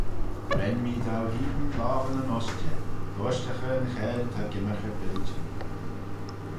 Ren mee dou hene loghanyn ushtey, dy ushtaghey yn cheyll ta gymmyrkey biljyn.